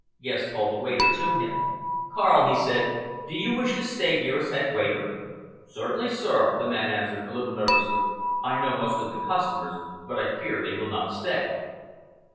Guest called the waiter to him. "Karl," he said, "do you wish to stay here as head waiter?" "Certainly, sir," the man answered, a little nervously. "I know most of the customers. But I fear they will not stay."